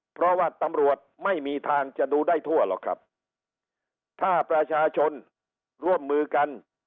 เพราะว่าตำรวจไม่มีทางจะดูได้ทั่วหรอกครับถ้าประชาชนร่วมมือกัน